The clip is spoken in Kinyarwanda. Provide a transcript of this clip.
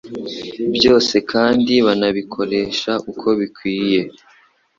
byose kandi banabikoresha uko bikwiye